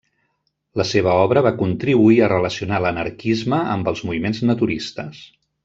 La seva obra va contribuir a relacionar l'anarquisme amb els moviments naturistes.